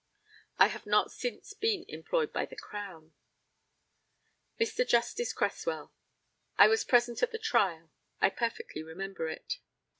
I have not since been employed by the Crown. By Mr. Justice CRESSWELL: I was present at the trial. I perfectly remember it.